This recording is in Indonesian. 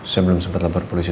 saya belum sempat lapor polisi